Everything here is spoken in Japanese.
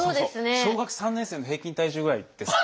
小学３年生の平均体重ぐらいです。